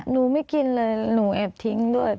ไม่กินเลยหนูแอบทิ้งด้วย